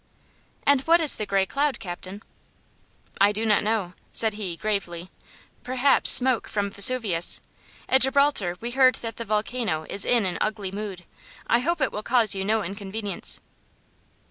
"And what is the gray cloud, Captain?" "I do not know," said he, gravely. "Perhaps smoke from Vesuvius. At Gibraltar we heard that the volcano is in an ugly mood, I hope it will cause you no inconvenience."